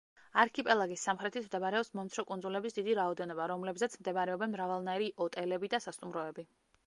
არქიპელაგის სამხრეთით მდებარეობს მომცრო კუნძულების დიდი რაოდენობა, რომლებზეც მდებარეობენ მრავალნაირი ოტელები და სასტუმროები.